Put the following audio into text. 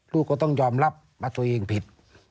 ลูกก็ต้องยอมรับประตูนี้เองผิด